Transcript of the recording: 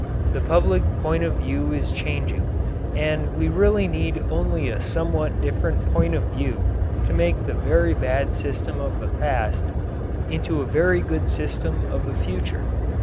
The public point of view is changing, and we really need only a somewhat different point of view to make the very bad system of the past into a very good system of the future.